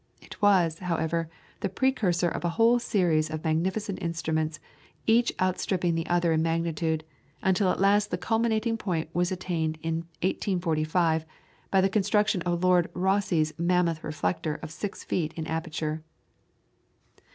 It was, however, the precursor of a whole series of magnificent instruments, each outstripping the other in magnitude, until at last the culminating point was attained in 1845, by the construction of Lord Rosse's mammoth reflector of six feet in aperture.